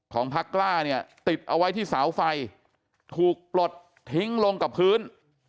พักกล้าเนี่ยติดเอาไว้ที่เสาไฟถูกปลดทิ้งลงกับพื้น